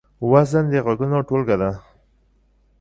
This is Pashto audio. وزن د غږونو ټولګه ده.